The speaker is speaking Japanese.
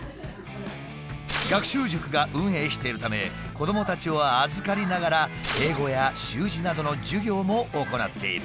学習塾が運営しているため子どもたちを預かりながら英語や習字などの授業も行っている。